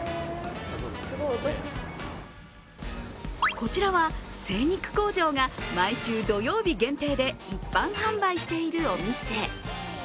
こちらは精肉工場が毎週土曜日限定で一般販売しているお店。